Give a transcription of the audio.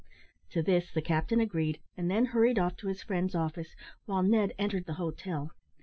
To this the captain agreed, and then hurried off to his friend's office, while Ned entered the hotel.